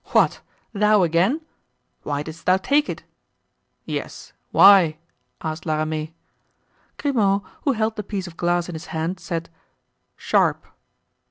"What! thou again! Why didst thou take it?" "Yes—why?" asked La Ramee. Grimaud, who held the piece of glass in his hand, said: "Sharp."